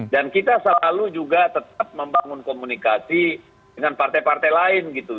dan kita selalu juga tetap membangun komunikasi dengan partai partai lain gitu